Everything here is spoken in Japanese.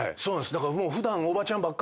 だからもう。